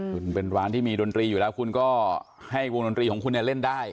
คุณเป็นร้านที่มีดนตรีอยู่แล้วคุณก็ให้วงดนตรีของคุณเนี่ยเล่นได้